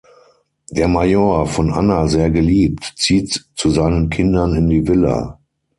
Der Major, von Anna sehr geliebt, zieht zu seinen Kindern in die Villa.